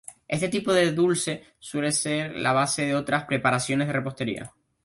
Este tipo de dulce suele ser la base de otras preparaciones de repostería.